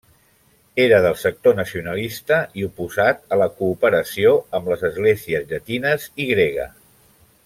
Era del sector nacionalista i oposat a la cooperació amb les esglésies llatines i grega.